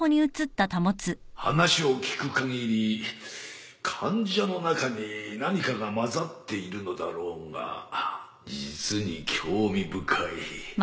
話を聞くかぎり患者の中に何かがまざっているのだろうが実に興味深い。